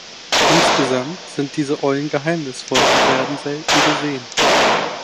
Insgesamt sind diese Eulen geheimnisvoll und werden selten gesehen.